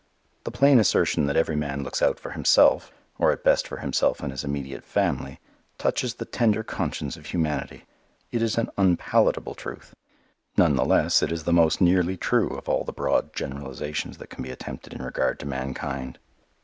The plain assertion that every man looks out for himself (or at best for himself and his immediate family) touches the tender conscience of humanity. It is an unpalatable truth. None the less it is the most nearly true of all the broad generalizations that can be attempted in regard to mankind.